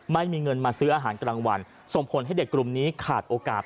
ไม่มีเงินมาซื้ออาหารกลางวันส่งผลให้เด็กกลุ่มนี้ขาดโอกาส